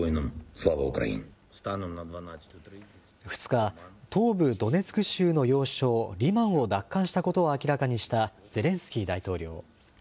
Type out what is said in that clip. ２日、東部ドネツク州の要衝リマンを奪還したことを明らかにしたゼレンスキー大統領。